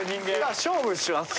勝負しますか？